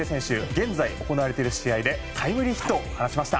現在行われている試合でタイムリーヒットを放ちました。